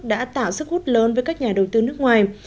đã tạo sức hút lớn với các nhà đầu tư nước ngoài